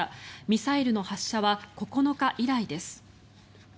ミサイルの発射は９日以来です。